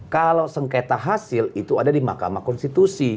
kalau sengketa hasil itu ada di mahkamah konstitusi